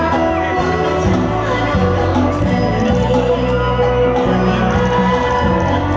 สวัสดีครับ